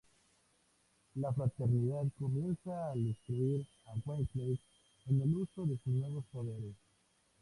La Fraternidad comienza a instruir a Wesley en el uso de sus nuevos poderes.